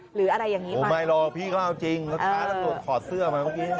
หรืออะไรอย่างนี้มั้ยโอ้ไม่รอพี่ก็เอาจริงแล้วท้าถึงขอเสื้อมาเมื่อกี้